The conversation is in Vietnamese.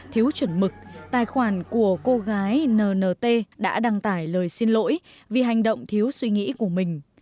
thiếu chuẩn mực tài khoản của cô gái nnt đã đăng tải lời xin lỗi vì hành động thiếu suy nghĩ của mình